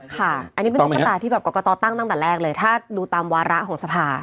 ค่ะต้องไหมฮะอันนี้เป็นพฤษภาคมที่กระต่อตั้งตั้งแต่แรกเลยถ้าดูตามวาระของสภา